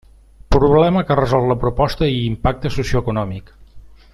Problema que resol la proposta i impacte socioeconòmic.